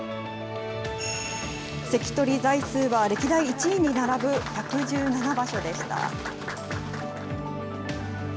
関取在位数は歴代１位に並ぶ１１７場所でした。